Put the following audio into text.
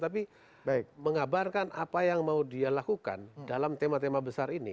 tapi mengabarkan apa yang mau dia lakukan dalam tema tema besar ini